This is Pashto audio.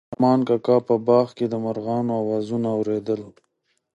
ارمان کاکا په باغ کې د مرغانو اوازونه اورېدل.